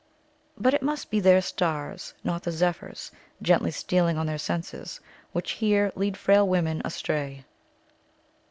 But it must be their stars, not the zephyrs, gently stealing on their senses, which here lead frail women astray.